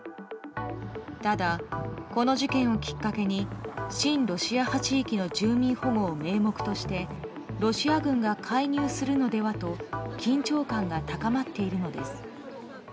ただ、この事件をきっかけに親ロシア派地域の住民保護を名目としてロシア軍が介入するのではと緊張感が高まっているのです。